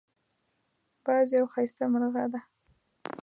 باز یو ښایسته مرغه دی